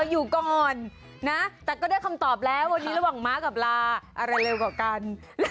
อยู่ก่อนนะแต่ก็ได้คำตอบแล้ววันนี้ระหว่างม้ากับลาอะไรเร็วกว่ากัน